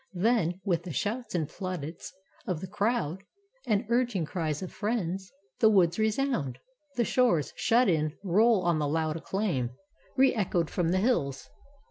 Then, with the shouts and plaudits of the crowd, And urging cries of friends, the woods resound. The shores, shut in, roll on the loud acclaim. Re echoed from the hills.